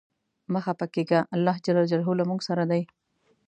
مه خپه کیږه ، الله ج له مونږ سره دی.